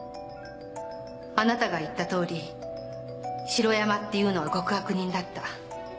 あなたが言ったとおり城山っていうのは極悪人だった。